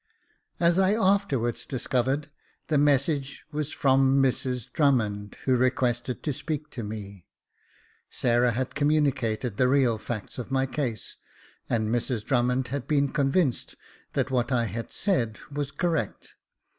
As I afterwards discovered, the message was from Mrs Drummond, who requested to speak to me. Sarah had communicated the real facts of my case, and Mrs Drum mond had been convinced that what I had said was correct.